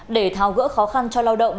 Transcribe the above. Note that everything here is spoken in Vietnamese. để tháo gỡ khó khăn cho lao động